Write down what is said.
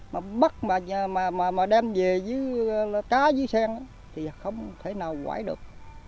mà bắt mà đem về với cá với sen thì không thể nào quải được